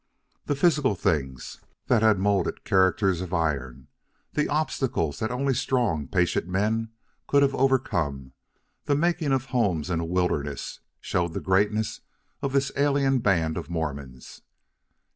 The physical things that had molded characters of iron, the obstacles that only strong, patient men could have overcome, the making of homes in a wilderness, showed the greatness of this alien band of Mormons.